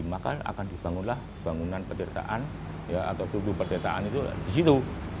maka akan dibangunlah bangunan petirtaan atau tubuh petirtaan itu di situ